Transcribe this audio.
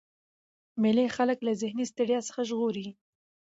مېلې خلک له ذهني ستړیا څخه ژغوري.